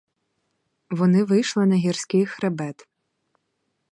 Вони вийшли на гірський хребет.